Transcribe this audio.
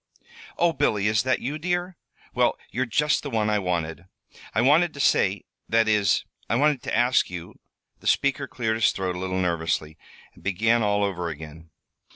"Oh, Billy, is that you, dear? Well, you're just the one I wanted. I wanted to say that is, I wanted to ask you " The speaker cleared his throat a little nervously, and began all over again.